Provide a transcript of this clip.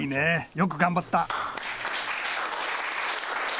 よく頑張った。